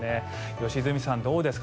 良純さん、どうですか？